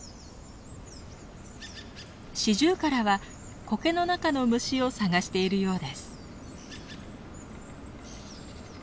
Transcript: シジュウカラはコケの中の虫を探しているようです。